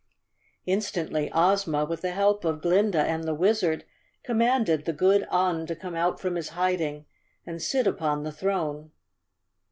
Instantly Ozma, with the help of Glinda and the Wizard, commanded the good Un to come out from his hiding and sit upon the throne.